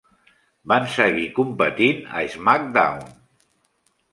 Van seguir competint a SmackDown!